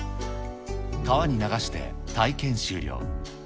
川に流して体験終了。